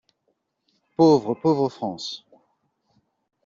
Pauvre, pauvre France!